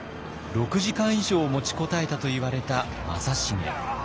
６時間以上持ちこたえたといわれた正成。